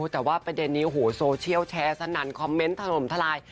แต่ว่าประเด็นนี้โอ้โหโซเชียลแชร์สนั่นคอมเมนต์ถล่มทลาย